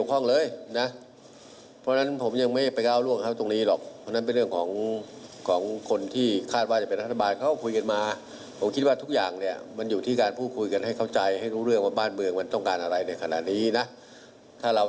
ก็ต้องสร้างความไม่เงื่อเชื่อใจให้กับต่างชาติเขา